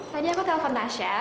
tadi aku telepon tasya